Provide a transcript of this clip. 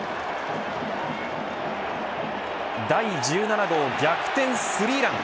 第１７号逆転スリーラン。